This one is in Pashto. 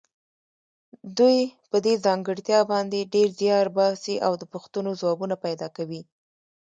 دوی په دې ځانګړتیا باندې ډېر زیار باسي او د پوښتنو ځوابونه پیدا کوي.